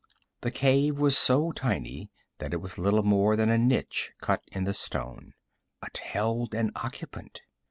The cave was so tiny that it was little more than a niche cut in the stone, but held an occupant.